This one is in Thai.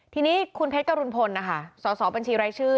ทีนี้คุณเพชรกรุณพลนะคะสสบัญชีรายชื่อ